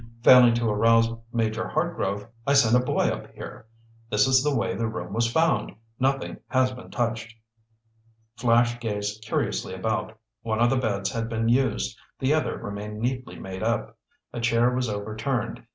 Failing to arouse Major Hartgrove I sent a boy up here. This is the way the room was found. Nothing has been touched." Flash gazed curiously about. One of the beds had been used, the other remained neatly made up. A chair was overturned.